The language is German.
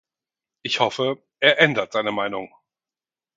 Ich hoffe, er ändert seine Meinung.